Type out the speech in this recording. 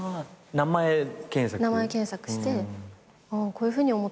名前検索してあっ